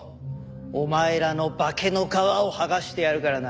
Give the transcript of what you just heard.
お前らの化けの皮を剥がしてやるからな。